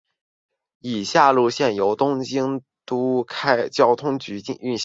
以下路线由东京都交通局运行。